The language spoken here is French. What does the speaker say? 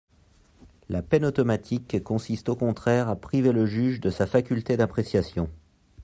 La peine automatique consiste au contraire à priver le juge de sa faculté d’appréciation.